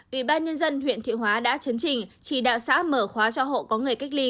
ủy ban nhân dân huyện thiệu hóa đã chấn trình chỉ đạo xã mở khóa cho hộ có người cách ly